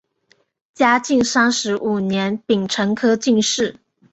嘉靖三十五年丙辰科进士。